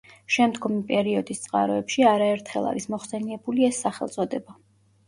შემდგომი პერიოდის წყაროებში არაერთხელ არის მოხსენიებული ეს სახელწოდება.